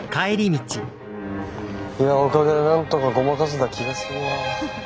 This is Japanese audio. いやおかげでなんとかごまかせた気がするわ。